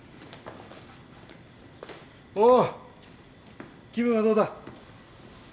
おお気分はどうだ？